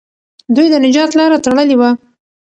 دوی د نجات لاره تړلې وه.